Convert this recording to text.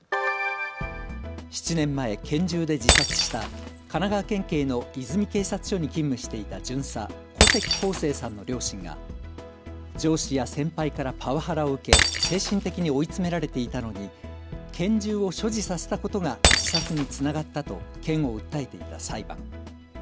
７年前、拳銃で自殺した神奈川県警の泉警察署に勤務していた巡査、古関耕成さんの両親が上司や先輩からパワハラを受け精神的に追い詰められていたのに拳銃を所持させたことが自殺につながったと県を訴えていた裁判。